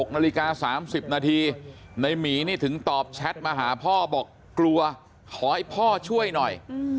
นาฬิกา๓๐นาทีในหมีนี่ถึงตอบแชทมาหาพ่อบอกกลัวขอให้พ่อช่วยหน่อย